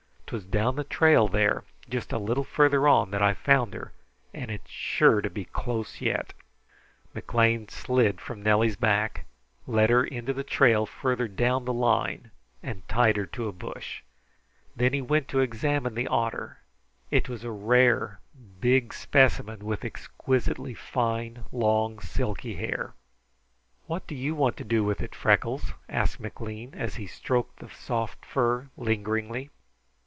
'Twas down the trail there, just a little farther on, that I found her, and it's sure to be close yet." McLean slid from Nellie's back, led her into the trail farther down the line, and tied her to a bush. Then he went to examine the otter. It was a rare, big specimen, with exquisitely fine, long, silky hair. "What do you want to do with it, Freckles?" asked McLean, as he stroked the soft fur lingeringly.